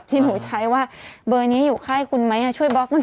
ไม่มีบางเบอร์เดี๋ยวเลือกมานะ